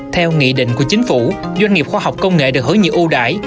theo nghị định của chính phủ doanh nghiệp khoa học công nghệ được hướng nhiều ưu đại